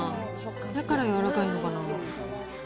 だから柔らかいのかな。